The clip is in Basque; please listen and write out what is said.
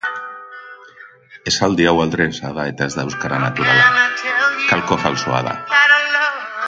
Horren ustez, horiek izango dira kalterik gehien jasoko dituztenak.